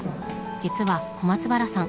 実は小松原さん